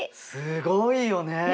すごいよね！